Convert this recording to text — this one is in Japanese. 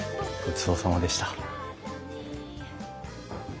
ごちそうさまでした。